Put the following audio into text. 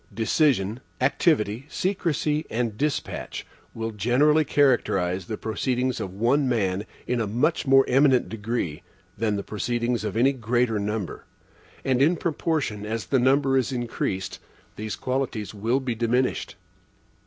Decision, activity, secrecy, and despatch will generally characterize the proceedings of one man in a much more eminent degree than the proceedings of any greater number; and in proportion as the number is increased, these qualities will be diminished.